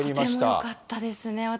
とてもよかったですね。